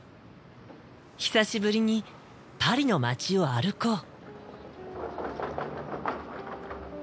久しぶりにパリの街を歩こう。